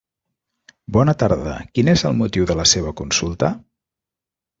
Bona tarda, quin és el motiu de la seva consulta?